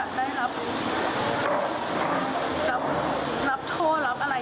ที่หารายได้ตั้งเท่าไร